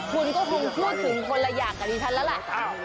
คุณก็คงพูดถึงคนละอย่างกับดิฉันแล้วล่ะ